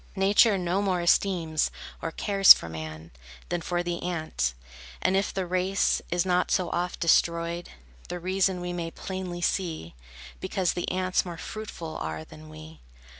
Nature no more esteems or cares for man, Than for the ant; and if the race Is not so oft destroyed, The reason we may plainly see; Because the ants more fruitful are than we.